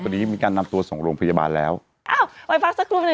วันนี้มีการนำตัวส่งโรงพยาบาลแล้วอ้าวไปพักสักครู่หนึ่ง